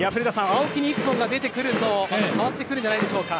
青木に一本が出てくると変わってくるんじゃないでしょうか。